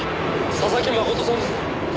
佐々木真人さんですね？